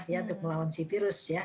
ya untuk melawan si virus ya